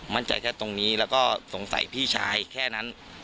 มั่นใจแค่ตรงนี้แล้วก็สงสัยพี่ชายแค่นั้น